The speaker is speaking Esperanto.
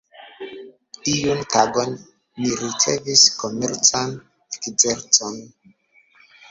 Iun tagon ni ricevis komercan ekzercon.